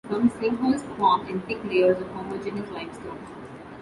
Some sinkholes form in thick layers of homogenous limestone.